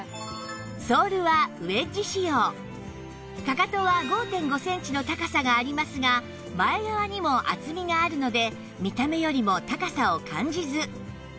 かかとは ５．５ センチの高さがありますが前側にも厚みがあるので見た目よりも高さを感じず